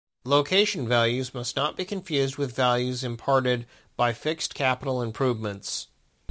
Location values must not be confused with values imparted by fixed capital improvements.